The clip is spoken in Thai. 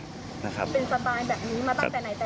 เป็นปังตายแบบนี้มาตั้งแต่ไหนแต่ไร